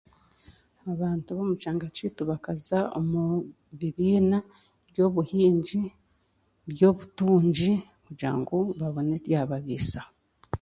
Abantu b'omu kyanga kyaitu bakaza omu bibiina by'obuhingi by'obutungi kugira ngu babone ebyababiisaho